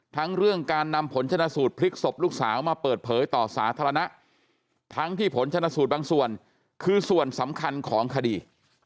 ทั้งเรื่องการนำผลชนะสูตรพลิกศพลูกสาวมาเปิดเผยต่อสาธารณะทั้งที่ผลชนสูตรบางส่วนคือส่วนสำคัญของคดี